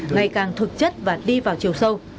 ngày càng thực chất và đi vào chiều sâu